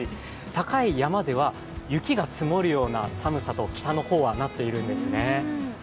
高い山では雪が積もるような寒さと北の方ではなっているんですね。